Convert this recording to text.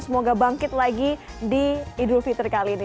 semoga bangkit lagi di idul fitri kali ini